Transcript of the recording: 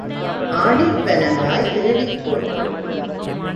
ஆடிப் பனங்காய் தேடிப் பொறுக்கு.